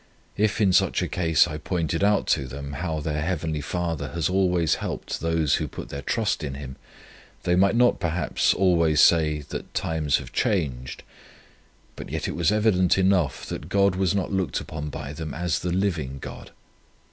If in such a case I pointed out to them, how their Heavenly Father has always helped those who put their trust in Him, they might not, perhaps, always say, that times have changed; but yet it was evident enough, that God was not looked upon by them as the LIVING God.